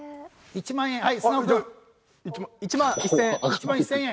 １万１０００円。